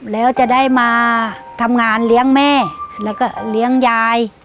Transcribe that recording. แล้วจะได้มาทำงานเลี้ยงแม่แล้วก็เลี้ยงยาย